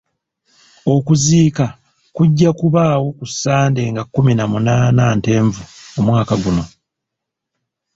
Okuziika kujja kubaawo ku Ssande nga kumi na munaana Ntenvu omwaka guno.